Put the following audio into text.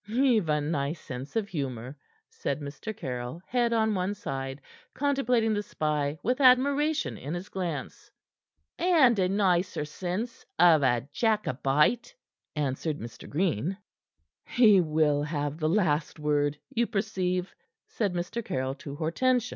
"Ye've a nice sense of humor," said Mr. Caryll, head on one side, contemplating the spy with admiration in his glance. "And a nicer sense of a Jacobite," answered Mr. Green. "He will have the last word, you perceive," said Mr. Caryll to Hortensia.